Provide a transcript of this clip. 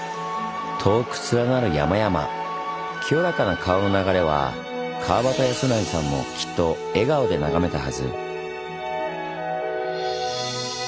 遠く連なる山々清らかな川の流れは川端康成さんもきっと笑顔で眺めたはず。